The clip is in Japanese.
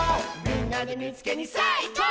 「みんなでみいつけにさあいこう！」